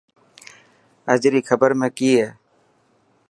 اڄ ري خبر ۾ ڪئي هي؟